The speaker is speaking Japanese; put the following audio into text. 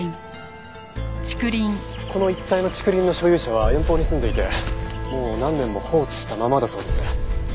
この一帯の竹林の所有者は遠方に住んでいてもう何年も放置したままだそうです。